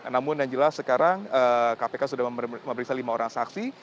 namun yang jelas sekarang kpk sudah memeriksa lima orang saksi